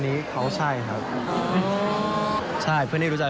กุ๊บกิ๊บขอสงวนท่าที่ให้เวลาเป็นเครื่องที่สุดไปก่อน